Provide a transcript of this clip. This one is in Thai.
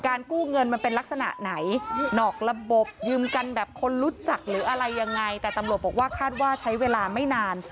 กู้เงินมันเป็นลักษณะไหนนอกระบบยืมกันแบบคนรู้จักหรืออะไรยังไงแต่ตำรวจบอกว่าคาดว่าใช้เวลาไม่นาน